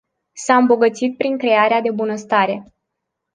S-a îmbogățit prin crearea de bunăstare.